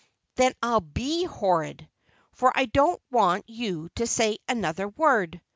"Then I'll be horrid, for I don't want you to say another word!